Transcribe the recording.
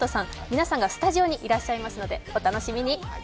皆さんがスタジオにいらっしゃいますのでお楽しみに。